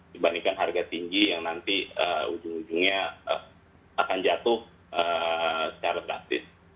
dibandingkan harga tinggi yang nanti ujung ujungnya akan jatuh secara drastis